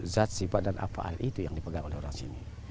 zat sifat dan alfa al itu yang dipegang oleh orang sini